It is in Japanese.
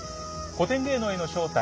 「古典芸能への招待」